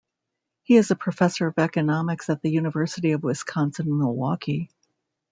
He is a professor of economics at the University of Wisconsin-Milwaukee.